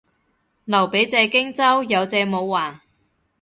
劉備借荊州，有借冇還